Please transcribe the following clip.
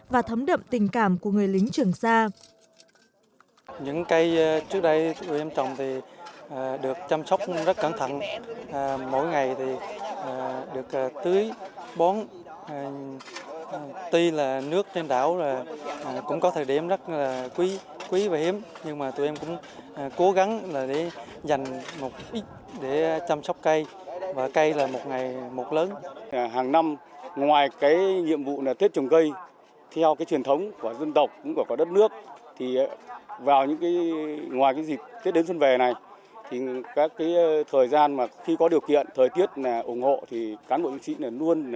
và thấm đậm tình cảm của người lính trường sa